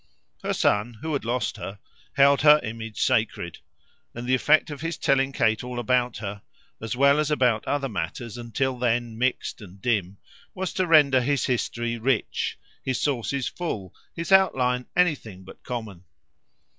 Her son, who had lost her, held her image sacred, and the effect of his telling Kate all about her, as well as about other matters until then mixed and dim, was to render his history rich, his sources full, his outline anything but common.